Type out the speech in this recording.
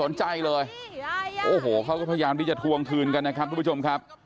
เพราะเพราะเค้าพยายามที่จะทวงทืนกันทุกผู้ชมครับ